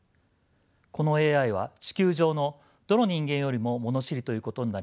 このＡＩは地球上のどの人間よりも物知りということになります。